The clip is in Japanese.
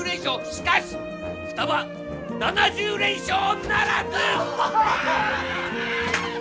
しかし双葉７０連勝ならず！